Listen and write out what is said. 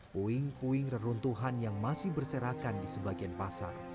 puing puing reruntuhan yang masih berserakan di sebagian pasar